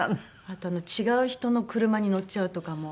あと違う人の車に乗っちゃうとかも。